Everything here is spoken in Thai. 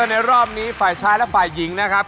ในรอบนี้ฝ่ายชายและฝ่ายหญิงนะครับ